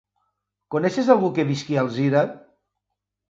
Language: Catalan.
Coneixes algú que visqui a Alzira?